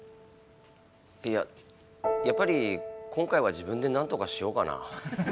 いややっぱり今回は自分でなんとかしようかな。